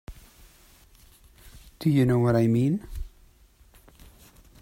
Do you know what I mean?